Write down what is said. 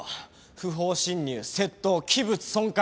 不法侵入窃盗器物損壊。